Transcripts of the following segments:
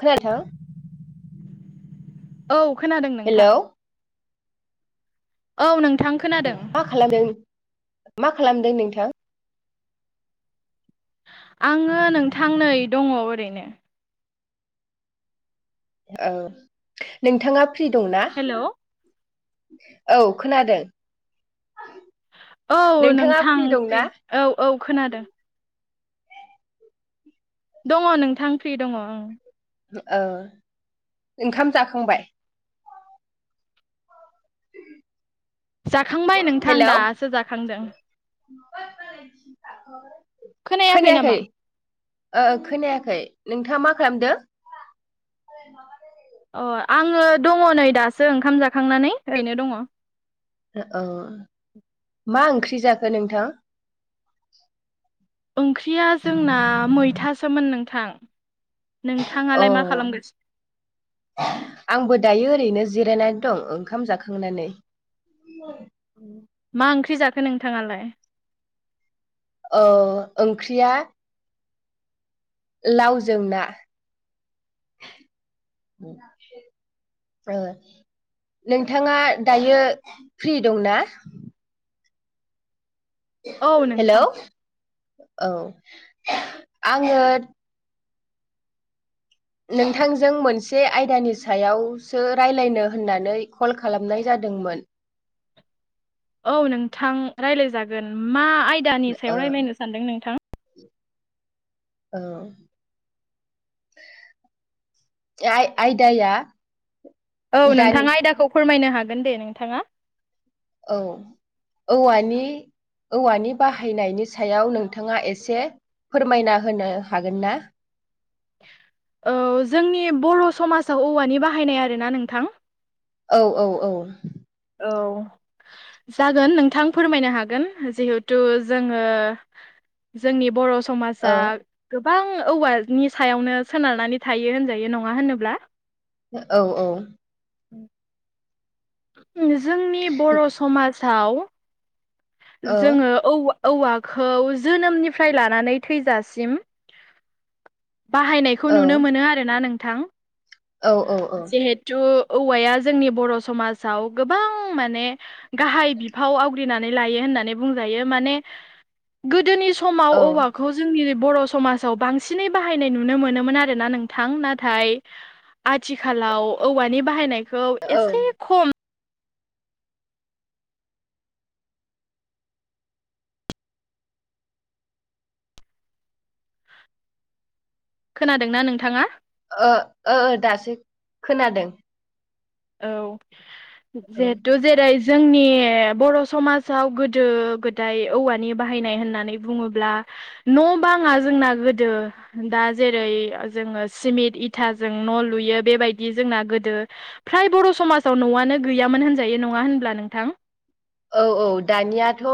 खोनांथों औ खोनादों नोंथां। हेलौ औ नोंथांखौ मा खालामदों मा खालामदों नोंथां? आङो नोंथां नै दङ ओरैनो औ नोंथाङा फ्रि दंना? हेलौ औ खोनादों। औ नोंथाङा फ्रि नोंथांसै दंना औ औ खोनादों। दङ नोंथां फ्रि दङ औ औ ओंखाम जाखांबाय? जाखांबाय नोंथां हेलौ दासो जाखांदों। खोनायाखै। ओ खोनायाखै नोंथाङा मा खालामदों? अ आङो दङ नै दासो ओंखाम जाखांनानै ओरैनो दङ। औ मा ओंख्रि जाखो नोंथां? ओंख्रिया जोंना मैथासोमोन नोंथां। अ नोंथाङालाय मा खालामगासिनो आंबो दायो ओरैनो जिरायनानै दं ओंखाम जाखांनानै मा ओंख्रि जाखो नोंथाङालाय? औ ओंख्रिया लावजों ना । ओ नोंथाङा दायो फ्रि दं ना? औ हेल' नोंथां औ आङो नोंथांजों मोनसे आयदानि सायावसो राय्लायनो होननानै कल खालामनाय जादोंमोन औ नोंथां राय्लायजागोन मा आयदानि सायाव रायज्लायनो सानदों नोंथां? औ आइ आयदया औ नोंथाङा आयदाखौ फोरमायनो हागोन दे नोंथाङा औ औवानि औवानि बाहायनायनि सायाव नोंथाङा एसे फोरमायना होनो हागोन ना औ जोंनि बर' समाजाव औवानि बाहायनाय आर ना नोंथां औ औ औ औ जागोन नोंथां फोरमायनो हागोन जिहुथु जोङो जोंनि बर' औ समाजा गोबां औवानि सायावनो सोनारनानै थायो होनजायो नङा होनोब्ला औ औ जोंनि बर' समाजाव औ जोङो ओ-औवाखौ जोनोमनिफ्राय लानानै थैजासिम बाहायनायखौ औ नुनो मोनो आरोना नोंथां औ औ जिहे औवाया जोंनि बर' समाजाव गोबां माने गाहाय बिफाव आव नानै बुं मनिाव ओ ओ औ खौ जोंनि बर' समाजाव बांसिनै बाहायनाय नुनो मोनोमोन आरोना नोंथां नाथाय आथिखालाव औवानि बाहायनायखौ एसे खम खोनादोंना नोंथाङा? ओ ओ दासो खोनादों। औ औ जिहेथु जेरै जोंनि बर' समाजाव गोदो गोदाय औवानि बाहायनाय होननानै बुङोब्ला न' बाङा जोंना गोदो दा जेरै जोङो सिमिट इथाजों न' लुयो बेबायदि जोंना गोदो फ्राय बर' समाजाव न'आनो गैयामोन होनजायो नङा होनब्ला नोंथां? औ औ दानियाथ'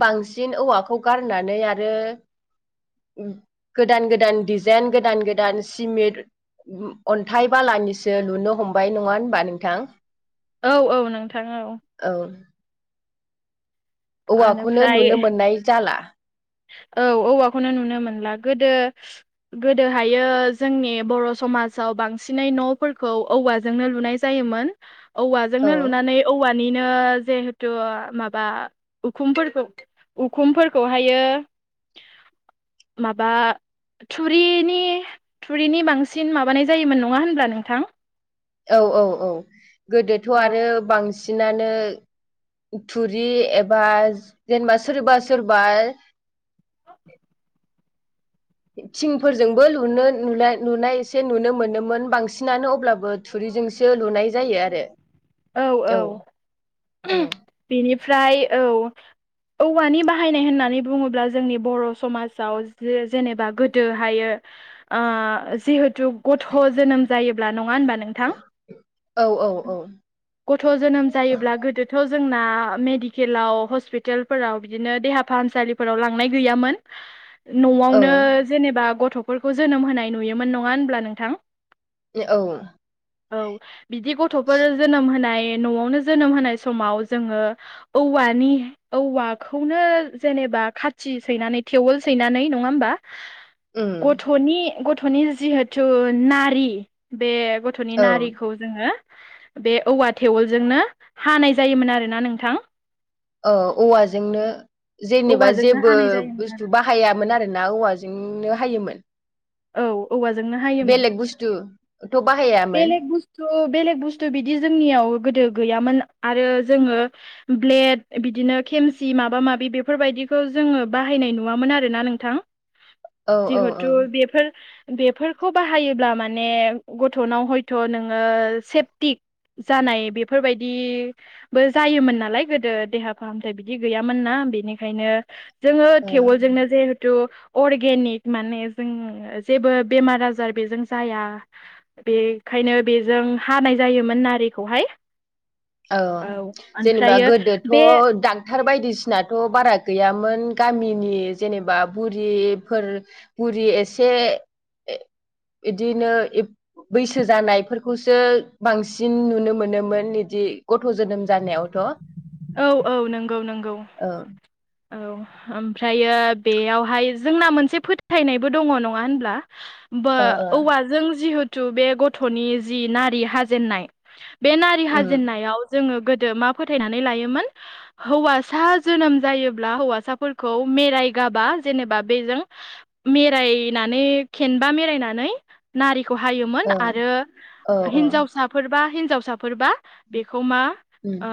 बांसिन औवाखौ गारनानै आरो गोदान गोदान दिडिजाइन गोदान गोदान सिमेन्ट अन्थाइ बालानिसो लुनो हमबाय नङा होनबा नोंथां औ औ नोंथां औ औ औवाखौनो ओनिफ्राय नुनो मोननाय जाला औ औवाखौनो नुनो मोनला गोदो गोदोहाय जोंनि बर' समाजाव बांसिनै न'फोरखौ औवाजोंनो लुनाय जायोमोन औ औवाजोंनो लुनानै औवानिनो जिहेथु माबा उखुमफोरखौ उखुमफोरखौहायो माबा थुरिनि थुरिनि बांसिन माबानाय जायोमोन नङा होनब्ला नोंथां? औ औ औ गोदोथ' आरो बां बांसिनानो थुरि एबा जेनेबा सोरबा सोरबा [unintelligible] थिंफोरजोंबो लुनो नु नुनाय एसे नुनो मोनोमोन बांसिनानो अब्लाबो थुरिजोंसो लुनाय जायो आरो औ औ बेनिफ्राय औ औवानि बाहायनाय होन्नानै बुंओब्ला जोंनि बर' समाजाव जे-जेनेबा गोदोहायो ओ जिहेथु गथ' जोनोम जायोब्ला नङा होनबा नोंथां? औ औ औ। गथ' जोनोम जायोब्ला गोदोथ' जोंना मेडिकेलाव हस्पिटालफोराव बिदिनो देहा फाहामसालि फोराव लांनाय गैयामोन औ न'आवनो जेनेबा गथ'फोरखौ जोनोम होनाय नुयोमोन नङा होनब्ला नोंथां? औ औ बिदि गथ'फोर जोनोम होनाय न'आवनो जोनोम होनाय समाव जोङो औवानि औवाखौनो जेनेबा खाथि सैनानै थेवोल सैनानै नङा होमबा? उम गथ'नि गथ'नि जिहेथु नारि बे गथ'नि औ नारिखौ जोङो बे औवा थेवलजोंनो हानाय जायोमोन आरोना नोंथां। औ औवाजोंनो जेनेबा औवाजोंनो जेबो हानाय जायोमोन बुस्थु आरो बाह हायामोन आरो ना औवाजोंनो हायोमोन। औ औवाजोंनो हायोमोन। बुस्थु थ' बाहाया? बेलेग बुस्थु बेलेग बुस्थु बिदि जोंनियाव गोदो गैयामोन आरो जोङो ब्लेड बिदिनो खेमसि माबा माबि बेफोरबायदिखौ जोङो बाहायनाय नुवामोन आरो ना नोंथां। औ औ औ जिहेथु बेफोर बेफोरखौ बाहायोब्ला माने ग थ'नाव हयथ' नोङो सेफटिक जानाय बेफोरबायदि बो जायोमोन नालाय गोदो देहा फाहामथाय बिदि गैयामोन ना बेनिखायनो जोङो औ थेवलजोंनो जिहेथु अर्गेनिक माने जों जेबो बेमार आजार बेजों जाया। बेखायनो बेजों हानाय जायोमोन नारिखौहाय। औ जेनेबा ओमफ्रायो गोदोथ' बे दाग क्टार बायदिसिनाथ' बारा गैयामोन गामिनि जेनेबा बुरिफोर बुरि एसे बिदिनो बैसो जानायफोरखौसो बांसिन नुनो मोनोमोन बिदि गथ' जोनोम जानायावथ'। औ औ नोंगौ नोंगौ। ओ औ ओमफ्रायो बेयावहाय जोंना मोनसे फोथायनायबो दङ नङा होनब्ला? बो ओ ओ औवाजों जिहेथु बे गथ'नि जि नारि हाजेननाय बे नारि उम हाजेन्नायाव जोङो गोदो मा फोथायनानै लायोमोन हौवासा जोनोम जायो ब्ला हौवासाफोरखौ मेरायगाबा जेनेबा बेजों मेरायनानै खेनबा मेरायनानै नारिखौ हायोमोन औ आरो औ औ हिनजावसा फोरबा हिनजावसाफोरबा बेखौ मा उम ओ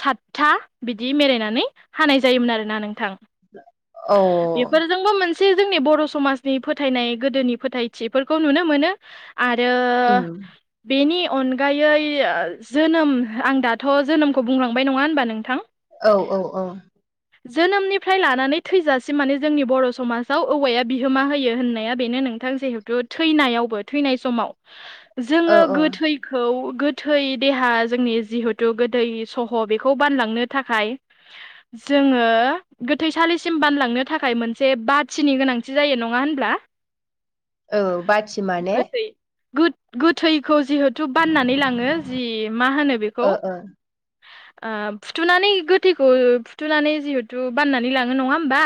सातथा बिदि मेरायनानै हानाय जायोमोन आरोना नोंथां। औ बेफोर जोंबो मोनसे जोंनि बर' समाजनि फोथायनाय गोदोनि फोथायथिफोरखौ नुनो मोनो आरो उम बेनि अनगायै जोनोम आं दाथ' जोनोमखौ बुंलांबाय नङा होनबा नोंथां? औ औ औ। जोनोमनिफ्राय लानानै थैजासिम माने जोंनि बर' समाजाव औवाया बिहोमा होयो होननाया बेनो नोंथां जिहु थु थैनायावबो थैनाय समाव औ जोङो औ गोथै खौ गोथै देहा जोंनि जिहेथु गोदै सह' बेखौ बानलांनो थाखाय जोङो गोथैसालिसिम बानलांनो थाखाय मोनसे बाथिनि गोनांथि जायो नङा होनब्ला? औ बाथि माने गोदै गोथैखौ जिहेथु बाननानै लाङो जि मा होनो बे अ अ फुथुनानै गोथैखौ फुथुनानै जिहेथु बाननानै लाङो नङा होमबा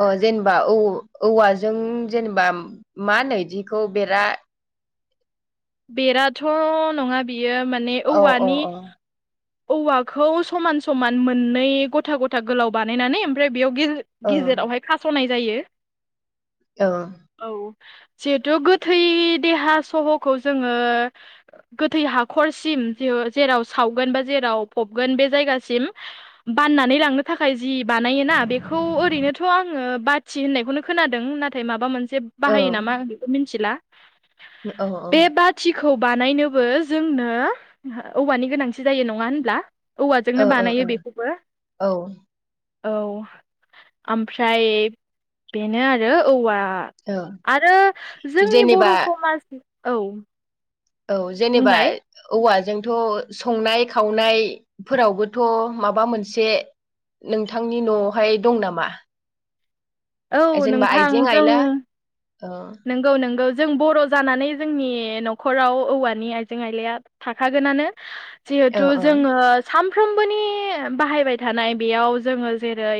अ जेनेबा औ औवाजों जेनेबा मा होनो बिखौ बेरा बेराथ' नङा बियो माने औ औ औवानि औ औवाखौ समान समान मोननै गथा गथा गोलाव बानायनानै ओमफ्राय बेयाव औ गेजेरावहाय खास'नाय जायो औ औ जिहेथु गोथै देहा सहखौ जोङो गोथै हाखरसिम जेराव सावगोन बा जेराव फबगोन बे जायगासिम बाननानै लांनो थाखाय जि बानायोना बेखौ ओरैनोथ' आङो थि होननायखौनो खोनादों नाथाय माबा मोनसे ओ बाहायो नामा मिथिला बे बाथिखौ बानायनोबो जोंनो औवानि गोनांथि जायो नङा होनब्ला औव ओ जोंनो बानायाय बेु ब औ औ ओमफ्राय बेनो आरो औवा औ आरो जोंनि बर' जेनेबा समाज औ औ जेनेबा बुंलाय औवाजोंथ' संनाय खावनायफोरावबोथ' माबा मोनसे नोंथांनि न'आवहाय दं नामा औ जेनेबा नोंथां आइजें जों आइला औ नंगौ नंगौ जों बर' जानानै जोंनि न'खराव औवानि आइजें आइलाया थाखागोनानो औ जिहेथु औ जोङो सानफ्रोमबोनि बाहायबाय थानाय बेयाव जोङो जेरै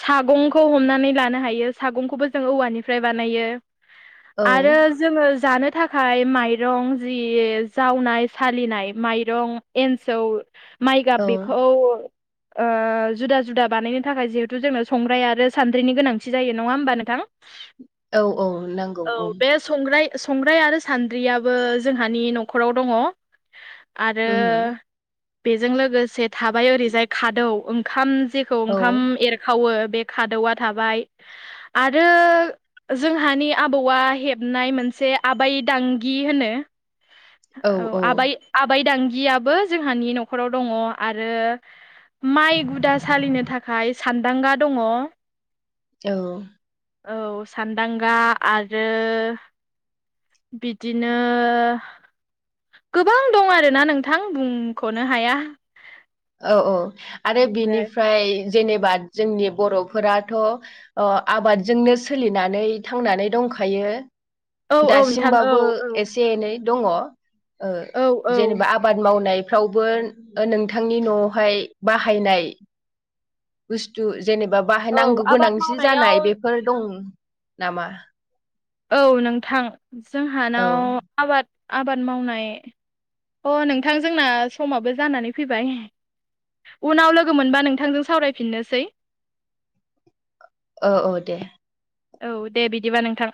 सागंखौ हमनानै लानो हायो सागंखौबो जों औवानिफ्राय बानायो आरो जोङो जानो थाखाय आखाय माइरं जि जावनाय सालिनाय माइरं एन्सौ माइ औ गाब बेखौ जुदा जुदा बानायनो थाखाय जिहेथु जोंनो संग्राय आरो स नि गोनांथि जायो नङा होमबा नोंथां औ औ नांगौ औ संग्राय संग्राय आरो सान्द्रियाबो जोंहानि न'खराव दङ आरो बेजों लोगोसे थाबाय ओरैजाय खादौ ओंखाम जेखौ औ ओंखाम एरखावो बे खादौा थाबाय आरो जोंहानि आबौआ हेबनाय मोनसे आबै दांगि होनो औ आब आबाय दांगियाबबो जोंहानि न'खराव दङ आरो माइ गुदा सालिनो थाखाय सानान्दांगा दङ औ औ सान्दांगा आरो बिदिनो गोबां दं आरोना नोंथां बुंख'नो हाया औ औ आरो ओमफ्राय बिनिफ्राय जेनेबा जोंनि बर'फोराथ' आबादजोंनो सोलिनानै थांनानै दंखायो औ औ नोंथां औ दासिमबाबो औ एसे एनै दङ औ औ जेनेबा आबाद मावनायफ्रावबो नों नोंथांनि न'आवहाय बाहायनाय बुस्थु जेनेबा बाहाय औ नांगौ आबाद गोनांसो मावनायाव जानाय बेफोर दं नामा औ नोंथां औ जोंहानाव आबाद आबाद मावनाय अ नोंथां जोंना समाबो जानानै फैबाय उनाव लोगो मोनबा नोंथांजों सावरायफिननोसै औ औ दे औ दे बिदिबा नोंथां